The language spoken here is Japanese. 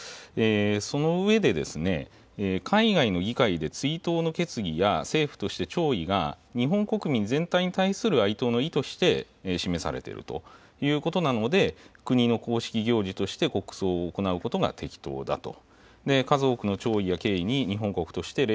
そのうえでですね、海外の議会で追悼の決議や、政府として弔意が日本国民全体に対する哀悼の意として示されているということなので、国の公式行事として、国葬を行うことが適当だと。